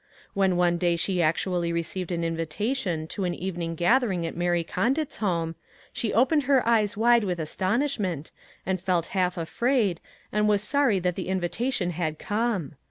When one day she act ually received an invitation to an evening gath ering at Mary Condit's home, she opened her eyes wide with astonishment, and felt half afraid, and was sorry that the invitation had come.